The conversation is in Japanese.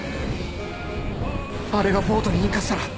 あれがボートに引火したら